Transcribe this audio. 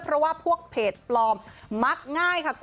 เพราะว่าเพจปลอมมักง่ายค่ะ